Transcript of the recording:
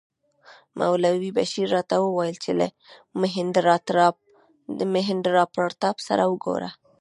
مولوي بشیر راته وویل چې له مهیندراپراتاپ سره وګوره.